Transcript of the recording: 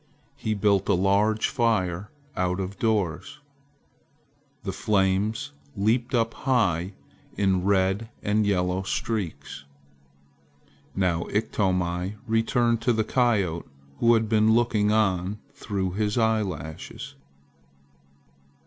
He built a large fire out of doors. The flames leaped up high in red and yellow streaks. Now Iktomi returned to the coyote who had been looking on through his eyelashes.